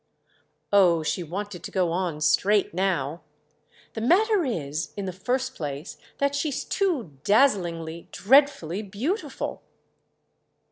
Oh, she wanted to go on straight now! "The matter is—in the first place—that she's too dazzlingly, dreadfully beautiful."